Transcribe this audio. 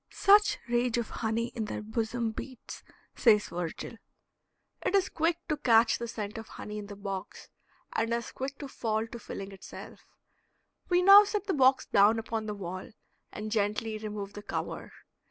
"Such rage of honey in their bosom beats," says Virgil. It is quick to catch the scent of honey in the box, and as quick to fall to filling itself. We now set the box down upon the wall and gently remove the cover.